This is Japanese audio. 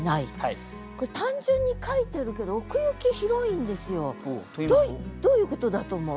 これ単純に書いてるけど奥行き広いんですよ。どういうことだと思う？